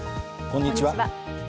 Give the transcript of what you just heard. こんにちは。